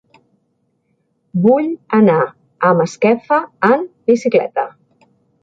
Vull anar a Masquefa amb bicicleta.